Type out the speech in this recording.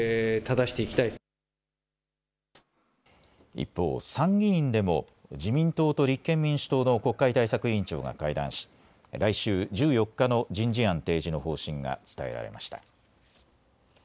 一方、参議院でも自民党と立憲民主党の国会対策委員長が会談し来週１４日の人事案提示の方針が伝えられました。